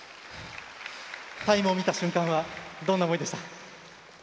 タイムを見た瞬間はどんな思いでした？